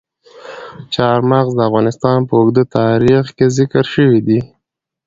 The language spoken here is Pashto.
چار مغز د افغانستان په اوږده تاریخ کې ذکر شوي دي.